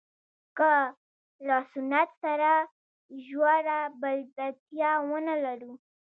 که له سنت سره ژوره بلدتیا ونه لرو.